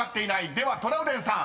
ではトラウデンさん］